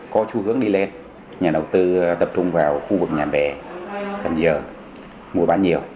có xu hướng đi lên nhà đầu tư tập trung vào khu vực nhà bè cần giờ mua bán nhiều